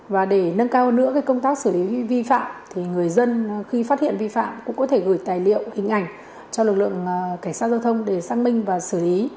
và để nâng cao nữa công tác xử lý vi phạm thì người dân khi phát hiện vi phạm cũng có thể gửi tài liệu hình ảnh cho lực lượng cảnh sát giao thông để xác minh và xử lý